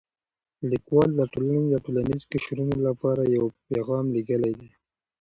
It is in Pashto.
لیکوال د ټولنې د ټولو قشرونو لپاره یو پیغام لېږلی دی.